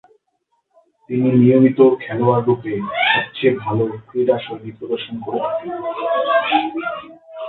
তিনি নিয়মিত খেলোয়াড়রূপে সবচেয়ে ভালো ক্রীড়াশৈলী প্রদর্শন করে থাকেন।